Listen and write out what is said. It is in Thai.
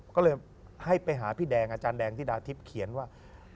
ก็เลยให้ไปหาพี่แดงอาจารย์แดงธิดาทิพย์เขียนว่า